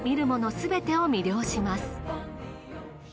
すべてを魅了します。